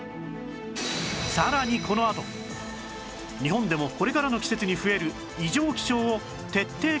さらにこのあと日本でもこれからの季節に増える異常気象を徹底解明します